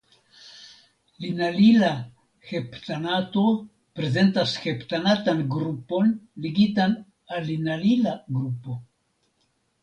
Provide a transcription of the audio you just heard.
Linalila heptanato prezentas heptanatan grupon ligitan al linalila grupo.